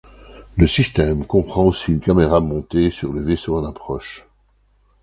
Le système comprend aussi une caméra montée sur le vaisseau en approche.